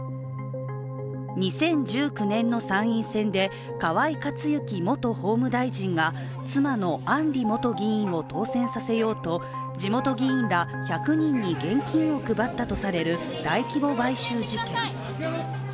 ２０１９年の参院選で河井克行元法務大臣が妻の案里元議員を当選させようと地元議員ら１００人に現金を配ったとされる大規模買収事件。